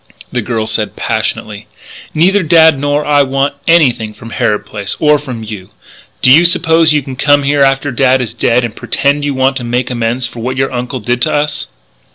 The girl said passionately: "Neither Dad nor I want anything from Harrod Place or from you! Do you suppose you can come here after Dad is dead and pretend you want to make amends for what your uncle did to us?"